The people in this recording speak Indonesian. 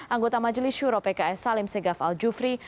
anggota majelis syuro pks salim segaf al jufri